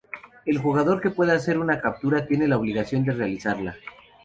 El jugador que puede hacer una captura tiene la obligación de realizarla.